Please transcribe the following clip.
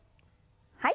はい。